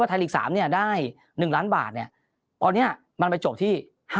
ว่าไทยลีกสามเนี่ยได้๑ล้านบาทเนี่ยอันเนี่ยมันไปจบที่